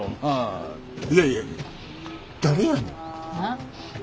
あっ？